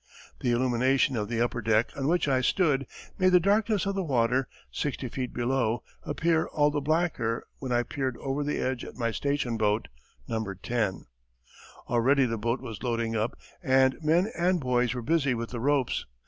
The illumination of the upper deck, on which I stood, made the darkness of the water, sixty feet below, appear all the blacker when I peered over the edge at my station boat, No. 10. Already the boat was loading up and men and boys were busy with the ropes.